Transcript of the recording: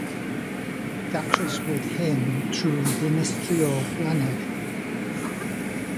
Datryswyd hyn trwy ddinistrio'r blaned.